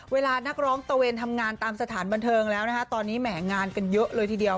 เวลานักร้องตะเวนทำงานตามสถานบันเทิงแล้วนะคะตอนนี้แหมงานกันเยอะเลยทีเดียว